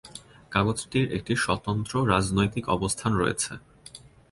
কাগজটির একটি স্বতন্ত্র রাজনৈতিক অবস্থান রয়েছে।